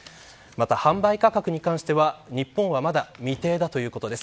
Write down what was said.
販売価格に関しては日本は未定ということです。